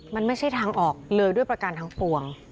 มันไม่ใช่ทางออกเลยด้วยประการทั้งปวง